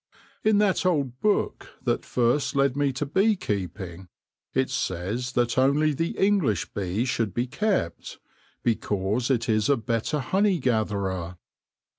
In that old book that first led me to bee keeping, it says that only the English bee should be kept, because it is a better honey gatherer.